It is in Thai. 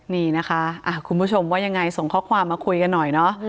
นี่นะคะคุณผู้ชมว่ายังไงส่งข้อความมาคุยกันหน่อยเนาะ